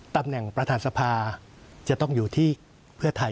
ตำแหน่งประธานสภาจะต้องอยู่ที่เพื่อไทย